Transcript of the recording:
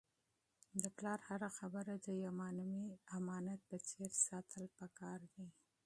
د پلار هره خبره د یو معنوي امانت په څېر ساتل پکار دي.